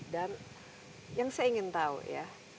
dan yang saya ingin tahu ya